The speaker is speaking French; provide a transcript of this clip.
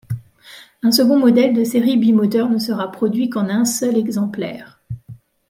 Un second modèle de série bimoteur ne sera produit qu'en un seul exemplaire.